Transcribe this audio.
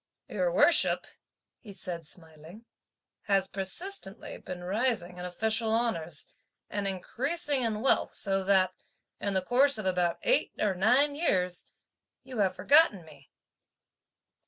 "Your worship," he said smiling, "has persistently been rising in official honours, and increasing in wealth so that, in the course of about eight or nine years, you have forgotten me."